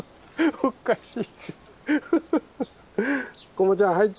おかしい。